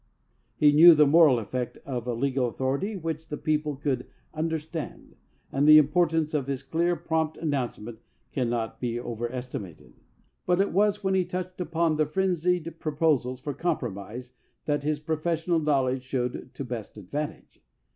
He knew the moral effect of a legal authority which the people could under stand, and the importance of his clear, prompt an nouncement can not be overestimated. But it was when he touched upon the frenzied proposals for compromise that his professional knowledge showed to best advantage.